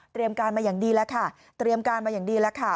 การมาอย่างดีแล้วค่ะเตรียมการมาอย่างดีแล้วค่ะ